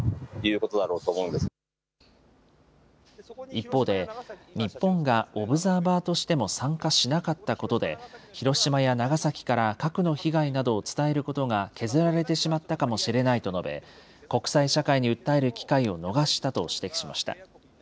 一方で、日本がオブザーバーとしても参加しなかったことで、広島や長崎から核の被害などを伝えることが削られてしまったかもしれないと述べ、国際社会に訴える機会を逃したと指摘しました。